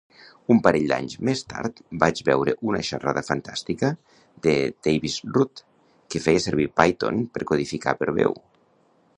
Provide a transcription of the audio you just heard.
Un parell d'anys més tard vaig veure una xerrada fantàstica de Tavis Rudd que feia servir Python per codificar per veu.